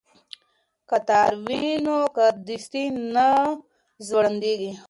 که تار وي نو کارډستي نه ځوړندیږي.